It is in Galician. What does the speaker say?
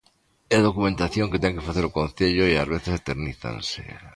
É documentación que ten que facer o concello e ás veces eternízanse.